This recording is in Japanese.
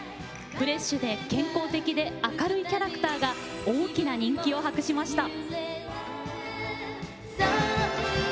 フレッシュで健康的で明るいキャラクターが大きな人気を博しました。